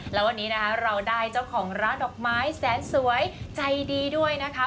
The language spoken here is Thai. แล้ววันนี้นะคะเราได้เจ้าของร้านดอกไม้แสนสวยใจดีด้วยนะคะ